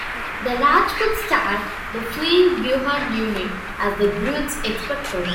The Rajput's charged the fleeing Ghurid unit, as the Ghurids expected.